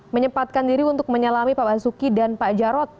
menyempatkan diri untuk menyelami pak basuki dan pak jarod